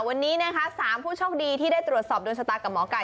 วันนี้นะคะ๓ผู้โชคดีที่ได้ตรวจสอบโดนชะตากับหมอไก่